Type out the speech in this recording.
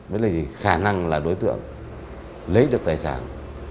với khả năng là đối tượng lấy được tài sản